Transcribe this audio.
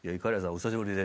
お久しぶりで。